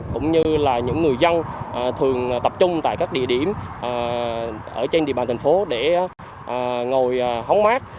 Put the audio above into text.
cũng như là những người dân thường tập trung tại các địa điểm ở trên địa bàn thành phố để ngồi hống mát